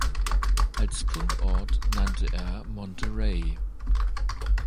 Als Fundort nannte er Monterey.